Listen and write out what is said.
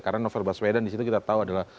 karena novel baswedan disitu kita tahu adalah